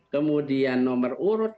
kemudian nomor urut